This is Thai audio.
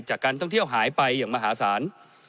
จากการท่องเที่ยวหายไปอย่างมหาศาล